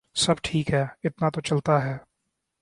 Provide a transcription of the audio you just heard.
سب ٹھیک ہے ، اتنا تو چلتا ہے ۔